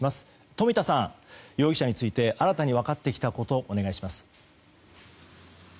冨田さん、容疑者について新たに分かってきたことお願いします。